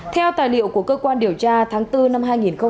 theo tài liệu của cơ quan điều tra tháng bốn năm hai nghìn một mươi tám